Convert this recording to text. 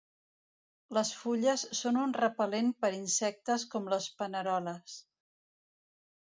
Les fulles són un repel·lent per insectes com les paneroles.